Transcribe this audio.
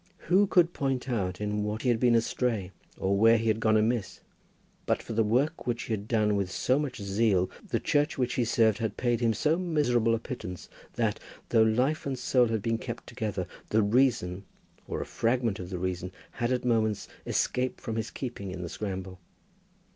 Who could point out in what he had been astray, or where he had gone amiss? But for the work which he had done with so much zeal the Church which he served had paid him so miserable a pittance that, though life and soul had been kept together, the reason, or a fragment of the reason, had at moments escaped from his keeping in the scramble.